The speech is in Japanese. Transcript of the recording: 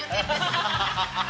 ハハハハ！